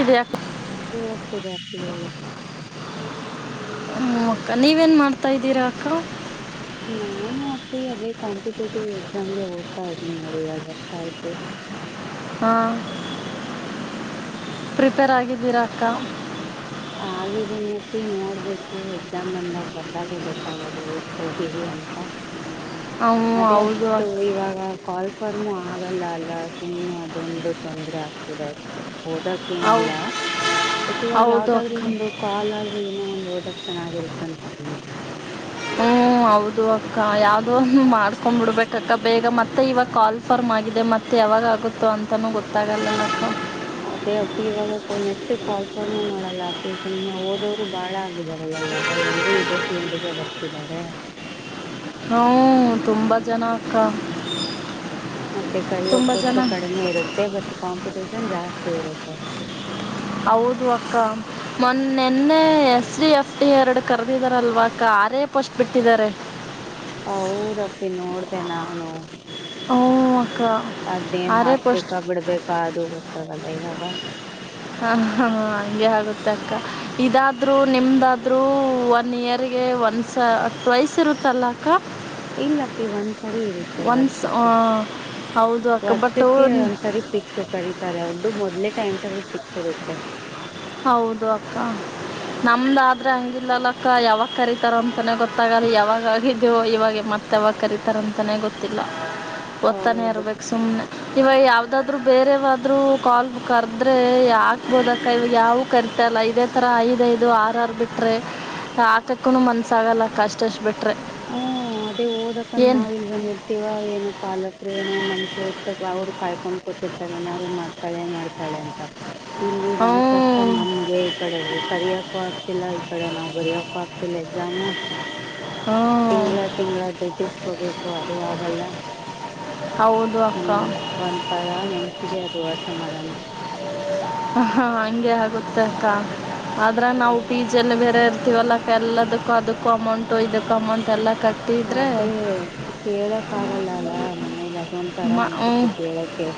ಿದ್ಯಾ [inaudible] B ಸ್ ಈ [inaudible] ಹ್ಮ ಅಕ್ಕ ನೀವು ಏನು ಮಾಡ್ತಾದೀರಾ ಅಕ್ಕ ನಾನು ಅಪ್ಪಯ ಅದೇ ಕಾಂಪಿಟೇಟಿವ್ ಎಕ್ಸಾಮ್ಗೆ ಓದತಾ ಇದ್ದೀನಿ ನೋಡು ಎರಡ ವರ್ಷ ಆಯ್ತು ಹಾ ಪ್ರಿಪೇರ್ ಆಗಿದ್ದೀರಾ ಅಕ್ಕ ಆಗಿದ್ದೀನಿ ಅಪ್ಪಿ ನೋಡ್ಬೇಕು ಎಕ್ಸಾಮ್ ಬಂದಾಗ ಬರ್ಧಗೆ ಗೊತ್ತಾಗೋದು ಎಷ್ಟ ಹೋಗಿದೆ ಅಂತ ಹ್ಞೂ ಅದೇ ಹೌದು ಅಷ್ಟು ಅಕ್ಕ ಇವಾಗ ಕಾರ್ [unintelligible] ಹೂ ಆಗಲ್ಲ ಅಲ್ಲ ಸುಮ್ಮ್ನೆ ಅದೊಂದು ತೊಂದರೆ ಆಗ್ತಿದೆ ಅಷ್ಟೇ ಓದಕ್ಕ ಹೌದು ಏನಿಲ್ಲ ಬಟ್ ಇವಾಗ ಹೌದು [unintelligible] ಅಕ್ಕ ಒಂದು ಕಾಲ್ ಏನು ಹೋದಗೆ ಚೆನ್ನಾಗಿದೆ ಅಂದೆ ಹ್ಮ್ ಹೌದು ಅಕ್ಕ ಯಾವವುದೋ ಮಾಡ್ಕೊಂಡ್ ಬಿಡ್ಬೇಕಕ್ಕ ಬೇಗ ಮತ್ತೆ ಇವಾಗ ಕಾಲ್ ಫರ್ಮ್ ಆಗಿದೆ ಮತ್ತೆ ಯಾವಾಗ ಆಗುತ್ತೋ ಅಂತಾನೂ ಗೊತ್ತಾಗಲ್ಲ ಅಕ್ಕ ಅದೇ ಅಪ್ಪಿ ಇವಾಗ ನೆಟ್ ಕಾಲ್ಫರ್ಮು ಮಾಡಲ್ಲ ಅಪ್ಪಿ ಸುಮ್ನೆ ಓದೋರು ಬಾಳ ಆಗಿದಾರಲ್ಲ ಇವಾಗ ಎಲ್ಲರೂ ಇದೇ ಫೀಲ್ಡ್ಗೆ ಬರ್ತಿದ್ದಾರೆ ಹ್ಮ ತುಂಬಾ ಜನ ಅಕ್ಕ ಮತ್ತೆ ಕಳಿಯುವ ತುಂಬ ಪೋಸ್ಟ್ ಜನ ಕಡಿಮೆ ಇರುತ್ತೆ ಬ [unintelligible] ಕಾಂಪಿಟೇಷನ್ [inaudible] ಜಾಸ್ತಿ ಇರುತ್ತ ಅಷ್ಟೆ ಹೌದು ಅಕ್ಕ ಮೊನ್ನ ನಿನ್ನೆ ಎಸ್ ಎಫ್ ಎರಡು ಕದ್ದಿದ್ದಾರೆ ಅಕ್ಕ ಆರೇ ಪೋಸ್ಟ್ ಬಿಟ್ಟಿ ದ್ದಾರೆ ಹೌದಪ್ಪಿ ನೋಡ್ದ ನಾನು ಓ ಅದೇನ್ ಹಾಕಬೇಕ ಬಿಡ್ಬೇಕ ಕ [unintelligible] ದೂ ಗೇಲಿ ಇವಾಗ ಹಂ ಹಾ ಹಗೆ ಆಗುತ್ತೆ ಅಕ್ಕ ಇದಾದರೂ ನಿಮ್ಮ್ದಾದ್ರೂ ಒನ್ ಇಯರ್ಗೆ ಒಂದುಸ ಟ್ವಯ್ಸ್ ಇರುತ್ತಲ್ಲ ಅಕ್ಕ ಇಲ್ಲಪ್ಪಿ ಒಂದ್ಸರಿ ಇರುತ್ತೆ ಒನ್ಸ್ ವರ್ಷಕ್ಕೆ ಹೌದು ಅಕ್ಕ ಬಟ್ಟು ವರ್ಷಕ್ಕೆ ಒಂದ್ಸರಿ ಪಿಕ್ಸು ಕರೀತಾರೆ ಅವರು ಅದು ಮೊದಲು ಟೈಮ್ ಟೇಬಲ್ ಫಿಕ್ಸ್ ಇರುತ್ತೆ ಹೌದು ಅಕ್ಕ ನಮ್ದಾದ್ರೆ ಹಂಗಿಲ್ಲಲ್ಲ ಅಕ್ಕ ಯಾವಾಗ ಕರತಾರ ಅಂತಾನೇ ಗೊತ್ತಾಗಲ್ಲ ಯಾವಾಗ ಆಗಿದೇವ ಇವಾಗ ಮತ ಯಾವಾಗ ಕರತಾರ ಅಂತಾನೇ ಗೊತ್ತಿಲ್ಲ ಒದತ್ತಾನೇ ಹೌದು ಇರ್ಬೇಕು ಸುಮ್ನೆ ಇವಾಗ ಯಾವ್ದಾದ್ರು ಬೇರೆವಾದ್ರು ಕಾಲ್ ಕರೆದ್ರೆ ಯಾಕಬದ ಕೈ ಯಾವ ಕರೀತಲ್ಲ ಅಲ್ಲ ಇದೇ ತರ ಐದ್ ಐದು ಆರ್ ಆರ್ ಬಿಟ್ರೆ ಹಾಕಕ್ಕು ಮನಸಾಗಲ್ಲ ಕಷ್ಟಷ್ಟ ಬಿಟ್ಟ್ರ ಹ್ಮ್ ಅದೇ ಓದಕಂದ ನಾವ್ ಇಲ್ ಬಂದಿರ್ತೇವ ಏನ ಪಾಲಕ್ ಏನೋ ನಂಬಿಕೆ ಬಾ ಅವ್ರು ಕಾಯ್ಕೊಂಡ್ ಕತಿರ್ತಾರೆ ಏನಾದ್ರು ಮಾಡ್ತಾಳೆ ಮಾಡ್ತಾಳೆ ಅಂತ ಇಲ್ಲಿ ನಮ ಕಷ್ಟ ಹ್ಞೂ ನಮ್ಗೆ ಈ ಕಡೆ ಊ ಕರಿಯಕು ಆಗ್ತಿಲ್ಲ ಈ ಕಡೆ ನಾವ್ ಬರಿಯಕು ಆತಿ ಎಕ್ಸಾಮ್ ಹ್ಞೂ ತಿಂಗಗಳ ತಿಂಗಳ ದುಡ್ಡಿಸಕೋಬೇಕು ಅದು ಆಗಲ್ಲ ಹೌದು ಅಕ್ಕ ಹ್ಮ್ ಒಂಥರ ಮನಸ್ಸಿಗೆ ಅದು ಈ ವರ್ಷ ಮಾಡನ ಹಾ ಹಂಗೆ ಆಗುತ್ತೆ ಅಕ್ಕ ಆದ್ರೆ ನಾವು ಹೌದು. ಫೀಸ್ ಬೇರೆ ಇವೆಲ್ಲಕು ಎಲ್ಲಾದಕ್ಕೂ ಅದಕು ಅಮೌಂಟು ಇದುಕ್ಕು ಅಮೌಂಟು ಎಲ್ಲಾ. ಅದೇ ಕೇಳಕ್ ಆಗಲ್ಲ ಅಲ್ಲ ಮನೇಲಿ ಅದ ಒಂಥರಾ ಮ ಹ್ಞೂ ಅನ್ಸುತ್ತೆ ಕೇಳಕೆ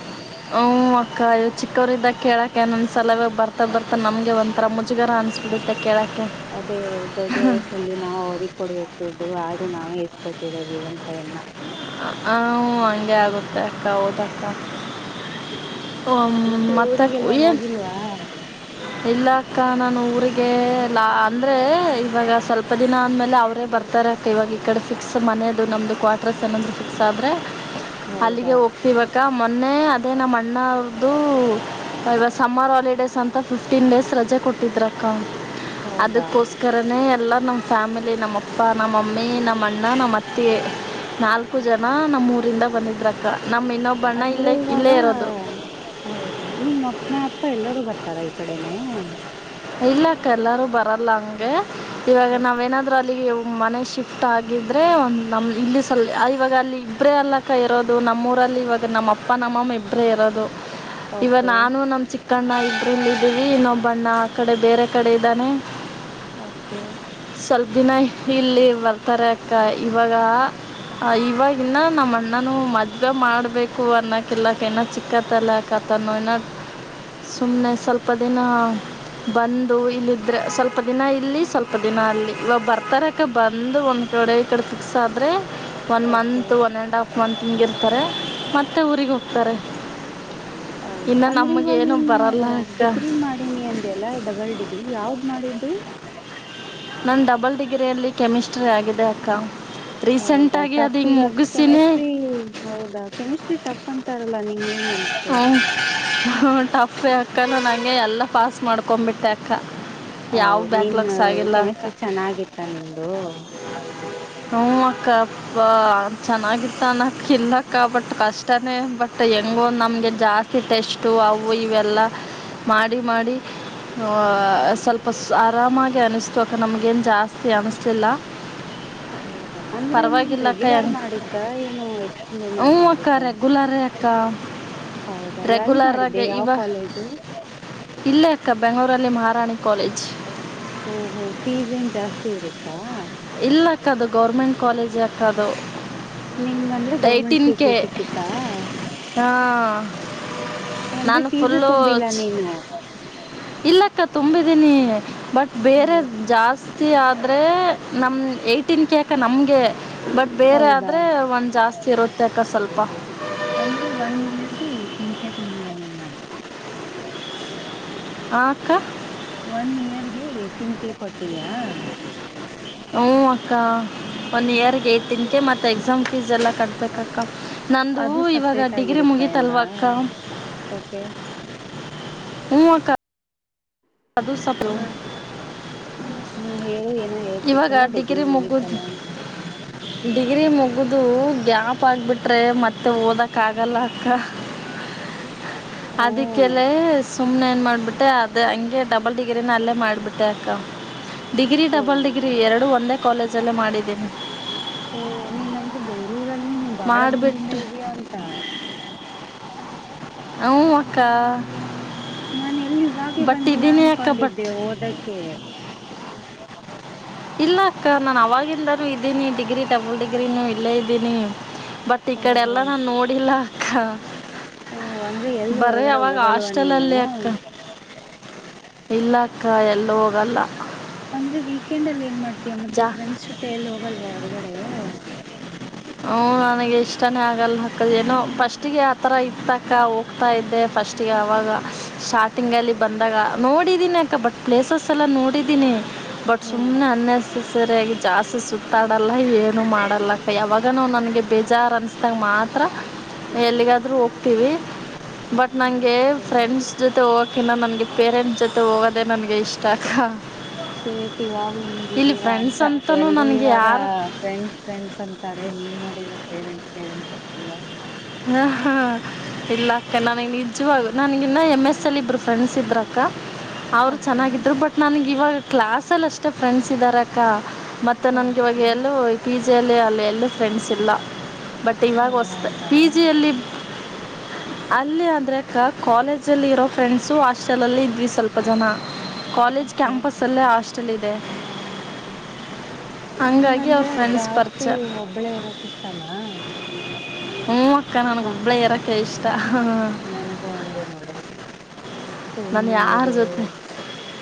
ಕೇಳ ಕೆಲವೊಂದು ಸಲ ಬರ್ತಾ ಬರ್ತಾ ನಮಗೆ ಒಂಥರಾ ಮುಜುಗರ ಅನಿಸ್ಬಿಡುತ್ತೆ ಕೇಳೋಕ್ಕೆ ಅದೇ ದೊಡ್ಡ ವಯಸ್ಸಲ್ಲಿ ನಾವು ಅವರಿಗೆ ಕೊಡಬೇಕು ದುಡ್ಡು ಆದ್ರೂ ನಾವೇ ಇಸ್ಕೋತಿದ್ದೇ ವಿ ಎಂ ಪೈಯನ್ನ ಹ ಹಂಗೆ ಆಗುತ್ತೆ ಅಕ್ಕ ಹೌದಕ್ಕಾ ಹ ಮತ್ತೆ ಊರಿಗೆಲ್ಲ ಏನ್ ಹೋಗಿಲ್ವಾ ಈಲ್ಲಾಕ್ಕ ನಾನು ಊರಿಗೆ ಗೆ ಲಾ ಅಂದರೆ ಇವಾಗ ಸ್ವಲ್ಪ ದಿನ ಅಂದಮೇಲೆ ಅವರೇ ಬರ್ತಾರೆ ಅಕ್ಕ ಇವಾಗ ಈ ಕಡೆ ಫಿಕ್ಸ್ ಮನೆಯದು ನಮ್ದು ಕ್ವಾರ್ಟರ್ಸ್ ಏನಂದ್ರೂ ಫಿಕ್ಸ್ ಆದ್ರೆ. ಹೌದಾ ಅಲ್ಲಿಗೆ ಹೋಗ್ತಿವಕ್ಕ ಮೊನ್ನೆ ಅದೇ ನಮ್ಮ ಅಣ್ಣ ಅವ್ರ್ದು ಇವಾಗ ಸಮ್ಮರ್ ಹಾಲಿಡೇಸ್ ಅಂತ ಫಿಫ್ಟೀನ್ ಡೇಸ್ ರಜೆ ಕೊಟ್ಟಿದ್ರಕ್ಕ ಹೌದಾ ಅದಕ್ಕೋಸ್ಕರನೇ ಎಲ್ಲ ನಮ್ಮ್ ಫ್ಯಾಮಿಲಿ ನಮ್ಮ ಅಪ್ಪ ನಮ್ಮಮ್ಮಿ ನಮ್ಮ ಅಣ್ಣ ನಮ್ಮ್ ಅತ್ತೆ ನಾಲ್ಕು ಜನ ನಮ್ಮ ಊರಿಂದ ಬಂದಿದ್ರಕ್ಕ ನಮ್ಮ ಇನ್ನೊಬ್ಬ ಅಣ್ಣ ಅಂದ್ರೆ ಇಲ್ಲೇ ಇವಾಗ ಇಲ್ಲೇ ಇರೋದು ಹೌದಾ ನಿಮ್ಮ ಅಪ್ಪ ಎಲ್ಲರೂ ಬರ್ತಾ ರಾ ಈ ಕಡೆನೆೇ ಇಲ್ಲಕ್ಕ ಎಲ್ಲರೂ ಬರಲ್ಲ ಹಂಗೆ ಇವಾಗ ನಾವೇನಾದ್ರೂ ಅಲ್ಲಿಗೆ ಮನೆ ಶಿಫ್ಟ್ ಆಗಿದ್ರೆ ಒಂದು ನಮ್ಮ ಇಲ್ಲಿ ಸಲ್ ಇವಾಗ ಅಲ್ಲಿ ಇಬ್ಬರೇ ಅಲ್ಲಕ್ಕ ಇರೋದು ನಮ್ಮೂಊರಲ್ಲಿ ಇವಾಗ ನಮ್ಮ ಅಪ್ಪ ನಮ್ಮಮ್ಮ ಇಬ್ಬರೇ ಇರೋದು ಇವಾಗ ಓಕೆ ನಾನು ನಮ್ಮ ಚಿಕ್ಕಣ್ಣ ಇಬ್ಬರೇ ಇಲ್ಲಿ ಇದೀವಿ ಇನ್ನೊಬ್ಬ ಅಣ್ಣ ಈ ಕಡೆ ಬೇರೆ ಕಡೆ ಇದ್ದಾನೆ ಓಕೆ ಸ್ವಲ್ಪ ದಿನ ಇಲ್ಲಿ ಬರ್ತಾರೆ ಅಕ್ಕ ಇವಾಗ ಇವಾಗಿನ ನಮ್ಮ ಅಣ್ಣನಿಗೆ ಮದುವೆ ಮಾಡಬೇಕು ಇನ್ನ ಚಿಕ್ಕ ಕಲ್ಯಕತನ ಅಂಥ ಇನ್ನ ಸ್ವಲ್ಪ ದಿನ. ಬಂದು ಇಲ್ಲಿದ್ದರೆ ಸ್ವಲ್ಪ ದಿನ ಇಲ್ಲಿ ಸ್ವಲ್ಪ ದಿನ ಅಲ್ಲಿ ಇವಾಗ ಬರ್ತಾರಕ್ಕ ಬಂದು ಒಂದು ಕಡೆ ಈ ಕಡೆ ಫಿಕ್ಸ್ ಆದರೆ one okay month one and half month ಇರ್ತಾರೆ ಮತ್ತೆ ಊರಿಗೆ ಹೋಗ್ತಾರೆ ಹೌದು ಇನ್ನು ಅಂದ್ರೆ ಇವಾಗ ನಮಗೇನು ನೀನು ಬರಲ್ಲ ಅಕ್ಕ ಡಿಗ್ರಿ ಮಾಡಿನಿ ಅಂದಲ್ಲ ಡಬಲ್ ಡಿಗ್ರಿ ಯಾವ್ದ್ ಮಾಡಿದ್ದು ನನ್ ಡಬಲ್ ಡಿಗ್ರಿಯಲ್ಲಿ ಕೆಮಿಸ್ಟ್ರಿ ಆಗಿದೆ ಅಕ್ಕ. ಹೌದಾ ರೀಸೆಂಟಾಗಿ ಅದು ಟಫ್ ಹಿಂಗೆ ಇರದ್ ಮುಗಿಸಿನೇ ಕೆಮಿಸ್ಟ್ರಿ ಹೌದಾ ಕೆಮಿಸ್ಟ್ರಿ ಟಫ್ ಅಂತಾರಲ್ಲ ನಿಂಗೆಗನ್ ಊಂ ಊಂ ಟಫ್ಫೇ ಅದ್ ಅಕ್ಕ ನಾನಂಗೆ ಎಲ್ಲ ಪಾಸ್ ಮಾಡ್ಕೊಂಬಿಟ್ಟೆ ಅಕ್ಕ. ಯಾವ ಹೌದ್ ನೀನ ಬ್ಯಾಕ್ಲಾಗ್ಸ್ ಆಗಿಲ್ಲ ಅಕ್ಕ ಕೆಮಿಸ್ಟ್ರಿ ಚೆನ್ನಾಗಿತ್ತ ನಿಂದು? ಹ್ಞೂ ಅಕ್ಕ ಪ ಚೆನ್ನಾಗಿತ್ತನಕಿನ್ನಕ್ಕ ಬಟ್ ಕಷ್ಟನೇ ಬಟ್ ಹೆಂಗೋ ನಮ್ಗೆ ಜಾಸ್ತಿ ಟೆಸ್ಟು ಅವು ಇವೆಲ್ಲ ಮಾಡಿ ಮಾಡಿ ಓ ಆ ಸ್ವಲ್ಪ ಆರಾಮಾಗಿ ಅನಿಸ್ತು ಅಕ್ಕ ನಮ್ಗೇನು ಜಾಸ್ತಿ ಅನ್ನಿಸ್ಲಿಲ್ಲ. ಹೌದಾ ಅಂದ್ರೆ ನೀನ್ ಪರವಾಗಿಲ್ಲ ಅಕ್ಕ ರೆಗ್ಯುಲರ್ ಹೆಂಗ್ ಮಾಡಿದ್ದ ಏನು ಎಕ್ಸ್ಟರ್ನಲ್ ಮಾಡ್ಕೊಂಡಿದ್ದ? ಕ ಹೌದಾ ಎಲ್ ಮಾಡಿದ್ದೆ ರೆಗ್ಯುಲರಾಗೆ ಯಾವ ಇವ ಕಾಲೇಜು ಇಲ್ಲೇ ಅಕ್ಕ ಬೆಂಗಳೂರಲ್ಲಿ ಮಹಾರಾಣಿ ಕಾಲೇಜ್ ಓಹೋ ಫೀಸ್ ಏನ್ ಜಾಸ್ತಿ ಇರುತ್ತಾ? ಇಲ್ಲಾಕ್ಕ ಅದು ಗೌರ್ಮೆಂಟ್ ಕಾಲೇಜೆ ಅಕ್ಕ ಅದು. ನಿಂಗಂದ್ರೆ ಗೌರ್ಮೆಂಟ್ ಟೈಟಿನ್ ಸೀಟ್ ಕೆ ಸಿಕ್ಕಿತ್ತಾ ಹಾಂ ಅಂದ್ರೆ ನಾನು ಫೀಸೇ ಫುಲ್ಲು ತುಂಬಿಲ್ಲ ನೀನು ಇಲ್ಲಕ್ಕ ತುಂಬಿದೀನಿ. ಬಟ್ ಬೇರೇರ್ ಹೌ- ಜಾಸ್ ತಿ ಆದ್ರೆ ನಮ್ ಏಟಿನ್ ಕೆಕ ನಮ್ಗೆ. ಬಟ್ ಬೇರೆ ಹೌದಾ ಆದ್ರೆ ಒಂದ್ ಜಾಸ್ತಿ ತಿರುತ್ತೆಕ್ಕ ಸ್ವಲ್ಪ. ಅಂದ್ರೆ ಒನ್ ಇಯರ್ಗೆ ಕೆನ್ಕ ತುಂಬಿಯೇನೆ ನಾ. ಹಾ ಅಕ್ಕ. ಒನ್ ಇಯರ್ಗೆ ಏಟಿನ್ ಕೆ ಕೊಟ್ಟೀಯ. ಹು ಅಕ್ಕ ಒನ್ ಇಯರ್ಗ್ ಏಟಿನ್ಗೆ ಮತ್ ಎಕ್ಸಾಮ್ ಫೀಸ್ ಎಲ್ಲಾ ಕಟ್ಬೇಕ್ ಅಕ್ಕ. ನಂದು ಅದು ಇವಾಗ ಸಪ್ರೇಟ್ ಡಿಗ್ರಿ ಆಗಿರುತ್ತಾ ಎಲ್ಲ ಮುಗೀತಲ್ವ ಅಕ್ಕ. ಓಕೆ ಹು ಅಕ್ಕ. ಅದು ಸ್ವಲ್ಪ ಹಾ ಹಾ ಹೇಳಿ ಏನೋ ಇವಾಗ ಹೇಳ್ತಿದ್ದಲ್ಲ ಡಿಗ್ರಿ ಮುಗಿದು ಮುಗತಲ್ಲ ಅಂತ. ಡಿಗ್ರಿ ಮುಗುದು ಗ್ಯಾಪ್ ಆಗ್ಬಿಟ್ರೆ ಮತ್ತೆ ಓದಕ್ ಆಗಲ್ಲ ಅಕ್ಕ. ಓ ಅದಿಕ್ಕೇಲೆ ಸು ಸುಮ್ನೆ ಏನ್ ಮಾಡ್ಬಿಟ್ಟೆ ಅದೆ ಹಂಗ್ ಎ ಡಬಲ್ ಡಿಗ್ರಿನು ಅಲ್ಲೇ ಮಾಡ್ಬಿಟ್ಟೆ ಅಕ್ಕ. ಡಿಗ್ರಿ ಓ ಡಬಲ್ ಡಿಗ್ರಿ ಎರಡು ಒಂದೆ. ಕಾಲೇಜಲ್ಲೇ ಮಾಡಿದ್ದೀನಿ. ಓ ನೀನಂದ್ರೆ ಬೆಂಗ್ಳೂರಲ್ ನೀನು ಬಾಳ ದಿನ್ದಿಂದ ಮಾಡಿಬಿಟ್ಟು ಇದ್ಯ ಅಂತ. ಹ್ಮು ಅಕ್ಕ. ನಾನೆ ಅಲ್ಲಿವಾಗೆ ಬಟ್ ಬಂದಿಯಾ ಇದ್ದೀನಿ ಅಕ್ಕ ಬಟ್ ಅನ್ಕೊಂಡಿದ್ದೆ ಓದಕ್ಕೆ. ಇಲ್ಲ ಅಕ್ಕ ನಾನ್ ಅವಾಗಿನ್ದನೂ ಇದ್ದೀನಿ ಡಿಗ್ರಿ ಡಬಲ್ ಡಿಗ್ರಿನು ಇಲ್ಲೇ ಇದಿನಿ. ಬಟ್ ಈ ಕಡೆ ಓಹೋ ಎಲ್ಲಾ ನಾನ್ ನೋಡಿಲ್ಲ. ಖ. ಓ ಅಂದ್ರೆ ಎಲ್ ಹೊರ್ಗಡೆ ಹೋಗಲ್ವ ನೀನು. ಹಾಸ್ಟೆಲಲ್ಲಿ ಅಕ್ಕ ಇಲ್ಲ ಅಕ್ಕ ಎಲ್ಲು ಹೋಗಲ್ಲ. ಒಂದು ವೀಕೆಂಡ್ ಅಲ್ ಏನ್ ಮಾಡ್ ತ್ಯ ಮತ್ತೆ ಜಾ ಪ್ರೆಂಡ್ಸ್ ಜೊತೆ ಎಲ್ಲು ಹೋಗಲ್ವ ಹೊ ಹೊರ್ಗಡೆ. ಹ ನನಗೆ ಇಷ್ಟಾನೇ ಆಗಲ್ಲ ಅಕ್ಕ ಅದೇನೋ ಫಸ್ಟಿಗೆ ಆತರ ಇತ್ತ ಅಕ್ಕ, ಹೋಗ್ತಾ ಇದ್ದೆ ಫಸ್ಟಿಗೆ ಅವಾಗ ಸ್ಟಾರ್ಟಿಂಗಲ್ಲಿ ಬಂದಾಗ ನೋಡಿದೀನಿ ಅಕ್ಕ ಬಟ್ ಪ್ಲೇಸಸ್ ಎಲ್ಲ ನೋಡಿದ್ದೀನಿ ಬಟ್ ಹ್ಮ್ ಸುಮ್ನೆ ಅನ್ನ ಸರಿಯಾಗಿ ಜಾಸ್ತಿ ಸುತ್ತಾಡಲ್ಲ ಏನು ಮಾಡಲ್ಲ ಅಕ್ಕ ಯಾ ಈಗನು ನನ್ಗೆ ಬೇಜಾರ್ ಅನ್ಸ್ದಾಗ ಮಾತ್ರ, ಎಲ್ಲಿಗಾದ್ರೂ ಹೋಗ್ತೀವಿ ಬಟ್ ನಂಗೆ ಓಕೆ ಫ್ರೆಂಡ್ಸ್ ಜೊತೆ ಹೋ ಇನ್ನು ನಮಗೆ ಪೇರೆಂಟ್ಸ್ ಜೊತೆ ಹೋಗೋದೆೇ ನಮಗೆ ಇಷ್ಟ ಅಕ್ಕ [unintelligible] ಇವಾಗ್ಲೂ ಇಲ್ಲಿ ಹಿಂಗಿದ್ದೀರಾ ಅಂತ ಫ್ರೆಂಡ್ಸ್ ಅಂತಲೂ ಎಲ್ರೂ ನನಗೆ ಇವಾಗ ಯಾರು ಫ್ರೆಂಡ್ಸ್ ಫ್ರೆಂಡ್ಸ್ ಅಂತಾರೆ ನೀನು ಪೇರೆಂಟ್ಸ್ ಪೇರೆಂಟ್ಸ್ ಅಂತಿಯ ಹಾ ಹಾ ಇಲ್ಲ ಅಕ್ಕ. ನನಿಗ್ ನಿಜವಾಗೂ ನನಗಿನ್ನ ಎಮ ಎಸ್ ಅಲ್ಲಿ ಇಬ್ರು ಫ್ರೆಂಡ್ಸ್ ಇದ್ರು ಅಕ್ಕ ಅವರು ಓಕೆ ಚೆನ್ನಾಗಿದ್ರು ಬಟ್ ನನ್ಗೆ ಇವಾಗ ಕ್ಲಾಸ್ ಅಲ್ಲಿ ಅಷ್ಟೇ ಫ್ರೆಂಡ್ಸ್ ಇದ್ದಾರಕ್ಕ ಮತ್ತೆ ನನ್ಗಿವಾಗ ಓಕೆ ಎಲ್ಲೂ [unintelligible] ಅಲ್ಲಿ ಎಲ್ಲ ಫ್ರೆಂಡ್ಸ್ ಇಲ್ಲ ಬಟ್ ಓ ಇವಾಗ ಹೊಸ್ ಹೌದಾ ಪೀಜಿಯಲ್ಲಿ ಅಲ್ಲಿ ಅಂದ್ರೆ ಅಕ್ಕ, ಕಾಲೇಜಲ್ಲಿ ಇರೋ ಫ್ರೆಂಡ್ಸು ಹಾಸ್ಟೆಲಲ್ಲಿ ಇದ್ವಿ ಸ್ವಲ್ಪ ಜನ ಕಾಲೇಜ್ ಓಕೆ ಕ್ಯಾಂಪಸ್ಲ್ಲೇ ಅಲ್ಲೆ ಅಷ್ಟ್ ಲ್ಲ ಇದೆ ಹಂಗಾಗಿ ಅವ್ರ ನಿಂಗಂದ್ರೆ ಫ್ರೆಂಡ್ಸ್ ಜಾಸ್ತಿ ಪರಿಚಯ ಒಬ್ಬಳೆ ಇರಕ್ ಇಷ್ಟನಾ? ಹೂ ಅಕ್ಕ ನನಗ್ ಒಬ್ಬಳೆ ಇರಕ್ಕೆ ಇಷ್ಟ. ನನಗೂ ಹಂಗೆ ನೋಡು ನಾನು ಸುಮ್ನೆ ಯಾರ ಇದು, ಜೊತೆ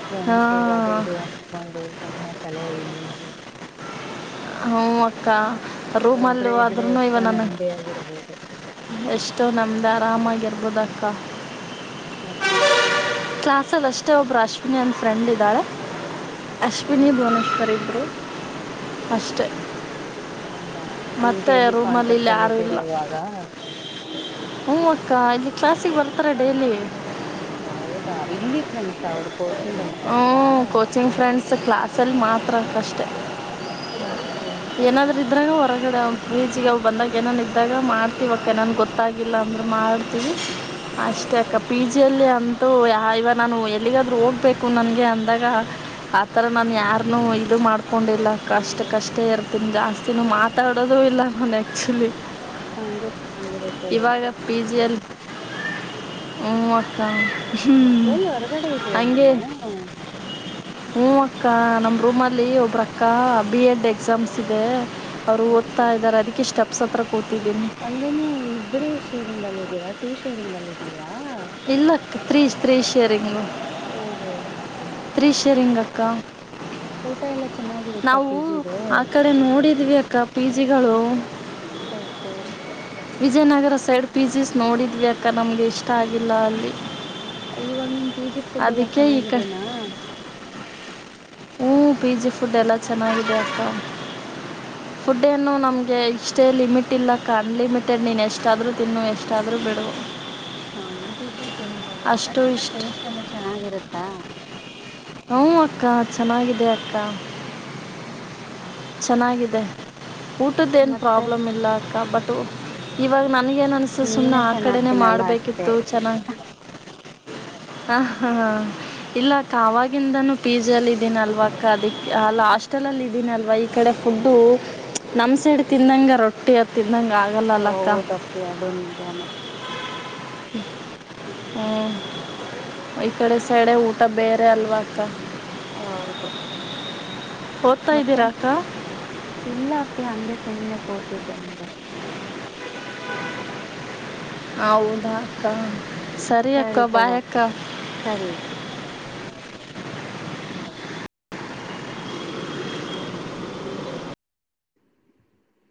ಫ್ರೆಂಡ್ಸೂ ಅದು ಹಾಂ ಇದು ಅನ್ಕೊಂಡು ಸುಮ್ಮನೆ ತಲೆ ಹ್ಮ್ ಹ್ಮ ಹೂ ಅಕ್ಕ. ರೂಮ್ ಅಲ್ಲಿ ಒಬ್ರೇ ಇದ್ರೆ ಆದ್ರೂನು ಇವ ಎಷ್ಟೋ ನನ್ ನೆಮ್ಮದಿಯಾಗಿರ್ಬೋದು ಎಷ್ಟೋ ನಮ್ದ [unintelligible] ಆರಾಮಾಗಿರ್ಬೋಧ್ ಅಕ್ಕ ಹ್ಮ ಕ್ಲಾಸ್ ಅಲ್ಲಿ ಅಷ್ಟೇ ಒಬ್ರು ಅಶ್ವಿನಿ ಅಂತ ಫ್ರೆಂಡ್ ಇದಾಳೆ ಓಕೆ ಅಶ್ವಿನಿ ಭುವನೇಶ್ವರಿ ಇಬ್ರೂ ಅಷ್ಟೇ. ಹ್ಮ್ ಏನ್ ಮತ್ತೆ ಡೈಲಿ ರೂಮಲ್ಲಿ ಕಾಂಟ್ಯಾಕ್ಟ್ ಅಲ್ಲಿ ಇದ್ದೀರಾ ಇವಾಗ? ಹೂ ಅಕ್ಕ, ಇಲ್ಲಿ ಕ್ಲಾಸಿಗೆ ಬರ್ತಾರ ಡೈಲಿ ಹೌದಾ ಇಲ್ಲಿ ಫ್ರೆಂಡ್ಸ್ ಅವ್ರ ಕೋಚಿಂಗ್ ಅಲ್ಲಿ ಹ್ಞೂ [unintelligible] ಕೋಚಿಂಗ್ ಫ್ರೆಂಡ್ಸ್ ಕ್ಲಾಸಲ್ಲಿ ಮಾತ್ರ ಕಷ್ಟ [unintelligible] ಓಕೆ [unintelligible] ಅದ್ರಲ್ಲು ಹೊರಗಡೆ ಅವ ಪೀಜಿಗೆ ಅವು ಬಂದಾಗ ಏನನು ಇದ್ದಾಗ ಮಾಡ್ತೀವಂತೆ ಗೊತ್ತಾಗಿಲ್ಲ ಅಂದ್ರೂನು ಮಾಡ್ತೀವಿ [unintelligible] ಅಷ್ಟೇ ಓಕೆ ಅಕ್ಕ ಪಿಜಿ ಅಲ್ಲಿ [unintelligible] ತುಯಾ ಇವ ನಾನು [unintelligible] ಎಲ್ಲಾದ್ರೂ ಹೋಗ್ಬೇಕು ನನ್ಗೆ ಅಂದಾಗ ಆತರ ನಾನು ಯಾರ್ನು ಇದು ಮಾಡ್ಕೊಂಡಿಲ್ಲ ಅಕ್ಕ ಅಷ್ಟಕಷ್ಟೇ ಇರ್ತೀನಿ ಜಾಸ್ತಿನೂ ಮಾತಾಡೋದು ಇಲ್ಲ ನಾನು ಆಕ್ಚುಲಿ [unintelligible] ಹಂಗೆ ಚೆನ್ನಾಗಿರುತ್ತೆೇಬಿಡು [unintelligible] ಹ ಅಕ್ಕ ಹ್ಮ್ [inaudible] ಎಲ್ಲಿ ಹೊರಗಡೆ ಇದೆಯ ನೀನು [unintelligible] ಹ್ಞ ಅಕ್ಕ ನಮ್ಮ್ ರೂಮ್ ಅಲ್ಲಿ ಒಬ್ಬ್ರ ಅಕ್ಕ ಬಿ ಎಡ್ ಎಕ್ಸಾಮ್ಸ್ ಇದೆ [unintelligible] ಅವರು ಓದ್ತಾ ಓಕೆ ಇದ್ದಾರೆ ಅದಕ್ಕೆ ಇಷ್ಟ [unintelligible] ಸತರಕೋತಿಗೆ [inaudible] ಅಂದ್ರೆ ನೀವು ಇಬ್ರೆ ಶೇರಿಂಗ್ ಅಲ್ಲಿ ಇದೀರಾ ಟೂ ಶೇರಿಂಗ್ ಅಲ್ಲಿ ಇದೀರಾ [unintelligible] ಯಾ [unintelligible] ಇಲ್ಲ ತ್ರೀ ತ್ರೀ ಶೇರಿಂಗ್ [unintelligible] ಓಹೋ [unintelligible] ತ್ರೀ ಶೇರಿಂಗಕ್ಕಾ ಊಟ ಎಲ್ಲ [unintelligible] ಚೆನ್ನಾಗಿರುತ್ತಾ ನಾವು ಪಿ ಜಿದು ಆ ಕಡೆ ನೋಡಿದ್ವಿ [unintelligible] ಅಕ್ಕ ಪಿಜಿಗಳುು [unintelligible] ಹೋಹೋ [unintelligible] ವಿಜಯನಗರ ಸೈಡ್ ಪೀಜಿಸ್ ನೋಡಿದ್ವಿ ಅಕ್ಕ ನಮ್ಗೆ ಇಷ್ಟ ಆಗಲ್ಲಿಲ್ಲ ಅಲ್ಲಿ [unintelligible] ಇವಾಗ ನಿನ್ ಪಿಜಿ ಫುಡ್ ಎಲ್ಲ ಅದಕ್ಕೆ ಈ ಚೆನ್ನಾಗಿದೆೇನಾ [unintelligible] ಹ್ಮ ಪಿಜಿ ಫುಡ್ ಎಲ್ಲಾ ಚೆನ್ನಾಗಿದೆ ಅಕ್ಕ [unintelligible] ಫುಡ್ ಏನು ನಮ್ [unintelligible] ಇಷ್ಟೇ ಲಿಮಿಟ್ ಇಲ್ಲಕ್ಕ ಅನ್ಲಿಮಿಟೆಡ್ ನೀನು ಎಷ್ಟಾದರೂ ತಿನ್ನು ಎಷ್ಟಾದರೂ ಬಿಡು [unintelligible] ಹಾ ದ [inaudible] ತಿಂಬಬಹುದು ಅಷ್ಟು ಅಂದ್ರೆ ಎಲ್ಲ ಇಷ್ಟು ಟೇಸ್ಟ್ ಎಲ್ಲ ಚೆನ್ನಾಗಿರುತ್ತೆ ಹಾ ಹ ಅಕ್ಕ ಚೆನ್ನಾಗಿದೆ ಅಕ್ಕ ಹ್ಮ ಚೆನ್ನಾಗಿದೆ ಊಟದ ಏನ್ ಮತ್ತೆ ಪ್ರಾಬ್ಲಮ್ ಇಲ್ಲ ಅಕ್ಕ ಬಟ್ ಇವಾಗ ನ ನನಗೇನು ಅನಿಸು ಸುಮ್ಮನೆ ನೀನೇ ಆ ಚೆನ್ನಾಗಿ ಕಡೆೆಯೇ ತಿನ್ನಲ್ಲ ಅಷ್ಟೇ ಮಾಡಬೇಕಿತ್ತು ಚೆನ್ನಾಗಿ ಹ ಹ ಹ ಇಲ್ಲ ಆವಾಗಿಂದಾನು ಪೀಜಿ ಅಲ್ಲಿ ಇದನ್ ಅಲ್ವಾ ಅದಿಕ್ ಅಲ್ಲಿ ಹಾಸ್ಟೆಲ್ ಅಲ್ಲಿ ಇದೀನ ಅಲ್ವಾ ಈ ಈ ಕಡೆ ಫುಡ್ಡು ನಮ್ ಸೈಡ್ ತಿಂದಂಗ ರೊಟ್ಟಿ ಹತ್ ತಿ ಓ ಹೌದ್ ಅಪ್ಪಿ ಅದು ನಿಜನೇ. ಹ್ಮ ಈ ಕಡೆ ಸೈಡೆ ಊಟ ಬೇರೆ ಅಲ್ವಾ ಅಕ್ಕ. ಹೌದು. ಓದ್ತಾ ಇದ್ದೀರಕ್ಕ. ಗೆ ಹಂಗೆ ಸುಮ್ನೆ ಕುತಿದ್ದೆ ನೋಡು. ಹೌದಾ ಅಕ್ಕ. ಅಕ್ಕ ಸರಿ ತಗೋ ಬಾಯ್ ಅಪ್ಪಿ ಅಕ್ಕ ಸರಿ ಅಪ್ಪಿ.